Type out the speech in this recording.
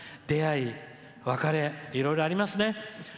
出会い、別れいろいろありますね。